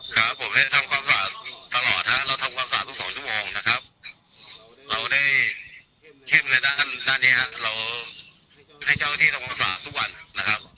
ครับผมได้ทำความสะอาดตลอดฮะเราทำความสะอาดทุกสองชั่วโมงนะครับ